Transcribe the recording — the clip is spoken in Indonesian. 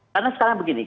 karena sekarang begini